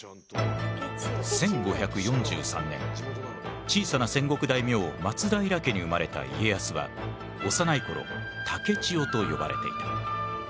１５４３年小さな戦国大名松平家に生まれた家康は幼い頃竹千代と呼ばれていた。